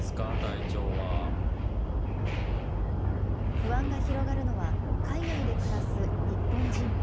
不安が広がるのは、海外で暮らす日本人も。